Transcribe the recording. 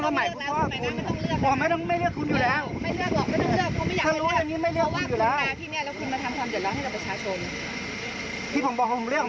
คุณไม่ต้องมาพูดหรอกไม่ต้องมาอ้างนะ